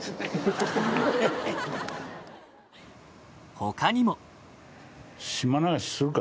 他にも。